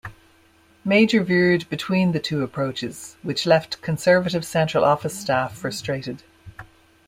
Major veered between the two approaches, which left Conservative Central Office staff frustrated.